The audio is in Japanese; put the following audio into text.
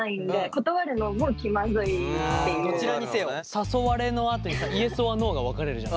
誘われのあとにさＹｅｓｏｒＮｏが分かれるじゃん。